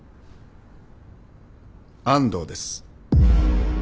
安藤です。